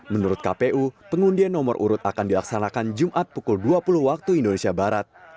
menurut kpu pengundian nomor urut akan dilaksanakan jumat pukul dua puluh waktu indonesia barat